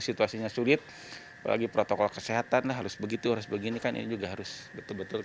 situasinya sulit apalagi protokol kesehatan harus begitu harus begini kan ini juga harus betul betul